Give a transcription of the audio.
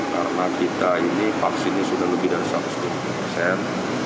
karena kita ini vaksinnya sudah lebih dari satu ratus lima puluh persen